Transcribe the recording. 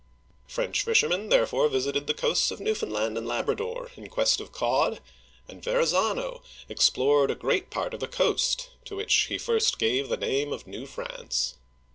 *' French fishermen therefore visited the coasts of New'f ound land and Labrador in quest of cod, and Verraza'no ex plored a great part of the coast, to which he first gave the name of New France.